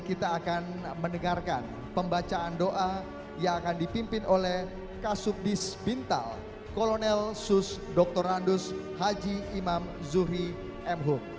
kita akan mendengarkan pembacaan doa yang akan dipimpin oleh kasubdis bintal kolonel sus dr randus haji imam zuhri mhub